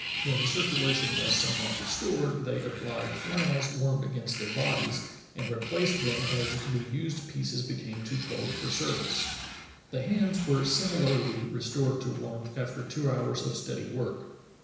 When circulation was somewhat restored they applied flannels warmed against their bodies, and replaced them as the used pieces became too cold for service. The hands were similarly restored to warmth after two hours of steady work.